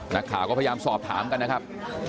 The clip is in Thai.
นักข่าวก็พยายามสอบถามกันนะครับ